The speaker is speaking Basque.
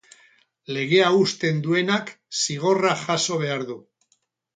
Legea hausten duenak zigorra jaso behar du.